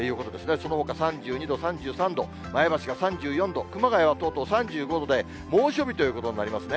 そのほか３２度、３３度、前橋が３４度、熊谷はとうとう３５度で、猛暑日ということになりますね。